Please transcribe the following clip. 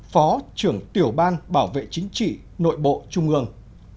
phó trưởng tiểu ban bảo vệ chính trị nội bộ trung ương